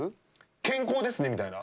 「健康ですね」みたいな。